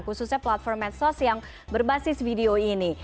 khususnya platform medsos yang berbasis video ini